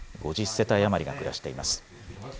５０世帯余りが暮らしています。